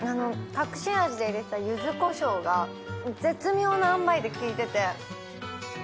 隠し味で入れた柚子胡椒が絶妙なあんばいで効いてて。